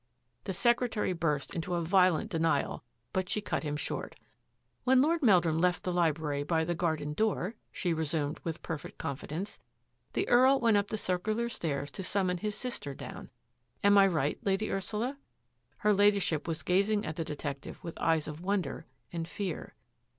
'* The secretary burst into a violent denial, but she cut him short. " When Lord Meldrum left the library by the garden door," she resumed with perfect confi dence, " the Earl went up the circular stairs to summon his sister down. Am I right. Lady Ursula? " Her Ladyship was gazing at the detective with eyes of wonder and fear.